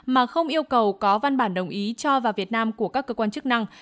mà không yêu cầu có văn bản đồng ý cho vào việt nam của các cơ quan chức năng